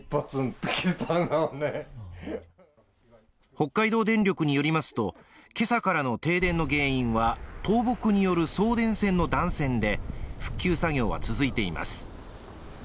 北海道電力によりますと、今朝からの停電の原因は、倒木による送電線の断線で復旧作業は続いています。